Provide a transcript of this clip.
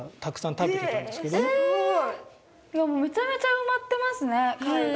めちゃめちゃ埋まってますね貝が。